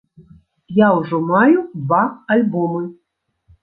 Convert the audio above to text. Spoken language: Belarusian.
Я ўжо маю два альбомы.